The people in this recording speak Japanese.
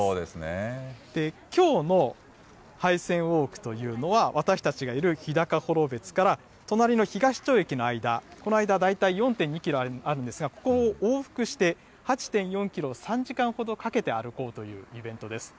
きょうの廃線ウォークというのは、私たちがいる日高幌別から隣の東町駅の間、この間、大体４．２キロあるんですが、ここを往復して８．４キロを３時間ほどかけて歩こうというイベントです。